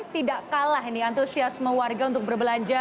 tidak kalah ini antusias mewarga untuk berbelanja